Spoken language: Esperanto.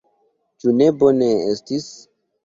Ĉu ne bone estis?